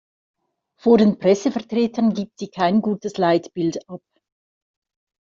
Vor den Pressevertretern gibt sie kein gutes Leitbild ab.